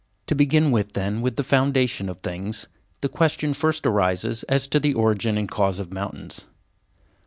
To begin then with the foundation of things, the question first arises as to the origin and cause of mountains.